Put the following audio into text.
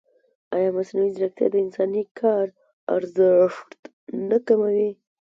ایا مصنوعي ځیرکتیا د انساني کار ارزښت نه کموي؟